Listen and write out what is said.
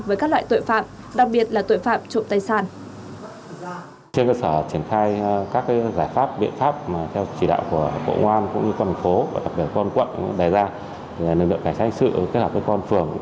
với các loại tội phạm đặc biệt là tội phạm trộm tài sản